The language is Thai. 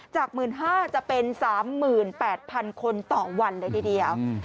จาก๑๕๐๐จะเป็น๓๘๐๐๐คนต่อวันเลยทีเดียว